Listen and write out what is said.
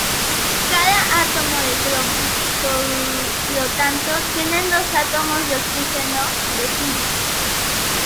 Cada átomo de cromo, por lo tanto, tienen dos átomos de oxígeno vecinos.